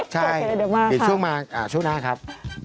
ใช่เดี๋ยวมาครับช่วงหน้าครับ